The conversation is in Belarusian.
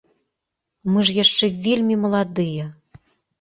Мы ж яшчэ вельмі маладыя!